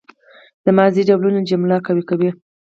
د ماضي ډولونه جمله قوي کوي.